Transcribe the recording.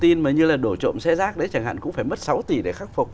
thông tin mà như là đổ trộm xe rác đấy chẳng hạn cũng phải mất sáu tỷ để khắc phục